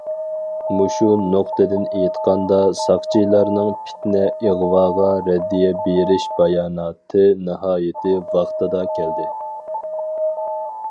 مۇشۇ نۇقتىدىن ئېيتقاندا، ساقچىلارنىڭ پىتنە- ئىغۋاغا رەددىيە بېرىش باياناتى ناھايىتى ۋاقتىدا كەلدى.